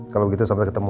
kalo begitu sampai ketemu